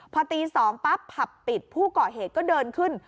พอตี๒ปั๊บผับปิดผู้ก่อเหตุก็เดินขึ้น